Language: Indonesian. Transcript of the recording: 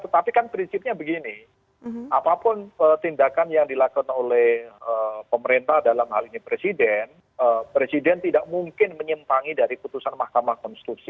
tetapi kan prinsipnya begini apapun tindakan yang dilakukan oleh pemerintah dalam hal ini presiden presiden tidak mungkin menyimpangi dari putusan mahkamah konstitusi